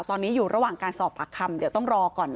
ตอนนี้อยู่ระหว่างการสอบปากคำเดี๋ยวต้องรอก่อน